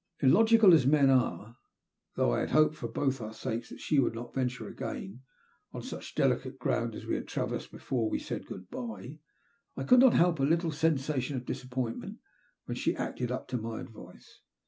Illogical as men are, though I had hoped, for both our sakes, that she would not venture again on such delicate ground as we had traversed before we said good bye, I could not help a little sensation of disappointment when she acted up to my advice.